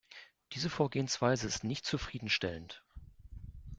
Diese Vorgehensweise ist nicht zufriedenstellend.